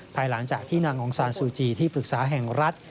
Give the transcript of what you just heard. ภายหลังจากที่นางองซานซูจีที่ปรึกษาแห่งรัฐ